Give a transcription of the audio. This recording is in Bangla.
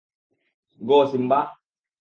গো, সিম্বা!